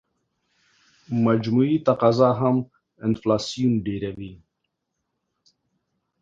مجموعي تقاضا هم انفلاسیون ډېروي.